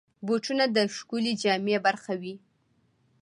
بوټونه د ښکلې جامې برخه وي.